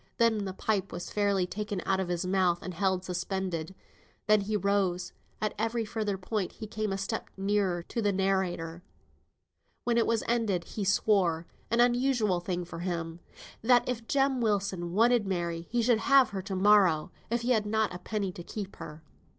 Then the pipe was fairly taken out of his mouth, and held suspended. Then he rose, and at every further point he came a step nearer to the narrator. When it was ended, he swore (an unusual thing for him) that if Jem Wilson wanted Mary he should have her to morrow, if he had not a penny to keep her.